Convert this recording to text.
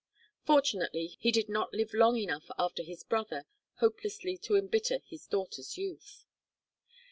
Fortunately he did not live long enough after his brother hopelessly to embitter his daughter's youth.